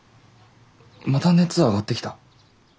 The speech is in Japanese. また熱上がってきた？